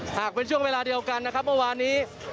หากเป็นช่วงเวลาเดียวกันนะครับเมื่อวานนี้